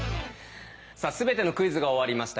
さあ全てのクイズが終わりました。